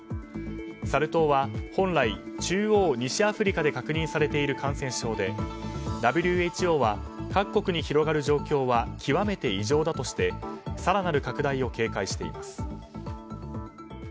サル痘は本来、中央西アフリカで確認されている感染症でＷＨＯは、各国に広がる状況は極めて異常だとして更なる拡大を警戒しています。